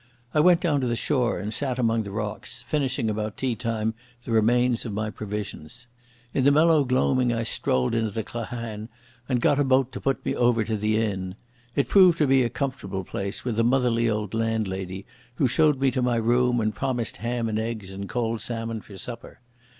I went down to the shore and sat among the rocks, finishing about tea time the remains of my provisions. In the mellow gloaming I strolled into the clachan and got a boat to put me over to the inn. It proved to be a comfortable place, with a motherly old landlady who showed me to my room and promised ham and eggs and cold salmon for supper.